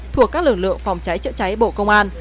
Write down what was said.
thuộc các lực lượng phòng cháy chữa cháy bộ công an